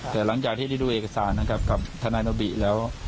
แต่หลังจากที่ได้ดูเอกสารนะครับกับทนายโนบิแล้ว